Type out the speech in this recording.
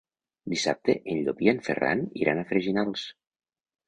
Dissabte en Llop i en Ferran iran a Freginals.